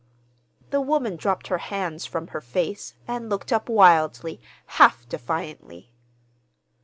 The woman dropped her hands from her face and looked up wildly, half defiantly.